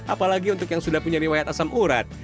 apalagi untuk yang sudah punya riwayat asam urat